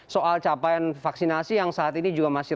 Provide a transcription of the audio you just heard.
soal capaian vaksinasi yang saat ini juga masih